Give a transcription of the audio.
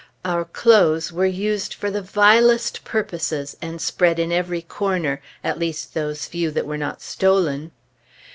Our clothes were used for the vilest purposes, and spread in every corner at least those few that were not stolen.